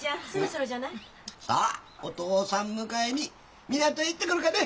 さあお父さん迎えに港へ行ってくるかね。